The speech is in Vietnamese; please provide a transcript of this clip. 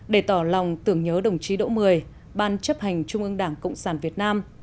để tỏ lòng tưởng nhớ đồng chí đỗ mười ban chấp hành trung ương đảng cộng sản việt nam